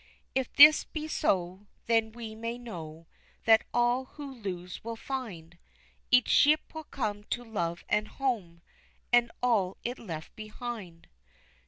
If this be so, then we may know That all who lose will find Each ship will come to love and home, And all it left behind.